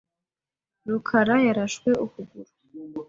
rukarayarashwe ukuguru.